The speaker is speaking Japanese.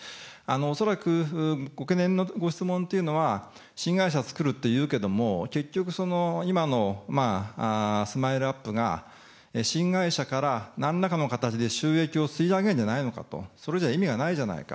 恐らくご懸念のご質問というのは、新会社を作るっていうけども、結局、今のスマイルアップが、新会社からなんらかの形で収益を吸い上げるんじゃないのかと、それじゃ意味がないじゃないか。